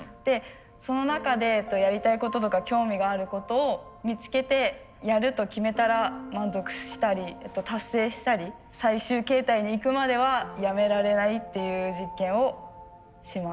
その中でやりたいこととか興味があることを見つけてやると決めたら満足したり達成したり最終形態にいくまではやめられないっていう実験をします。